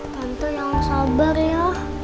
tante yang sabar ya